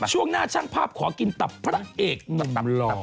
ช่วงหน้าช่างภาพขอกินตับพระเอก